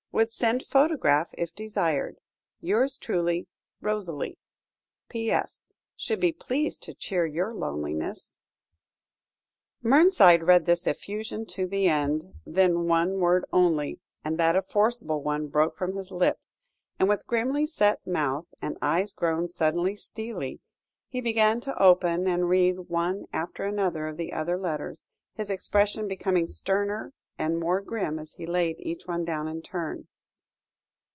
Would send photograph if desired. "Yours truly, ROSALIE." "PS. Should be pleased to cheer your loneliness." Mernside read this effusion to the end; then one word only, and that a forcible one, broke from his lips, and with grimly set mouth, and eyes grown suddenly steely, he began to open and read one after another of the other letters, his expression becoming sterner and more grim as he laid each one down in turn.